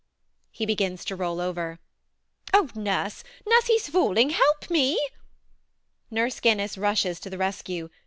[He begins to roll over]. Oh! Nurse, nurse: he's falling: help me. Nurse Guinness rushes to the rescue.